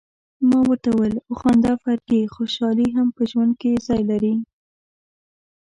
ما ورته وویل: وخانده فرګي، خوشالي هم په ژوند کي ځای لري.